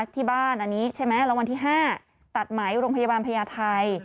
ที่บ้านอันนี้ใช่ไหมรางวัลที่๕ตัดไหมโรงพยาบาลพญาไทย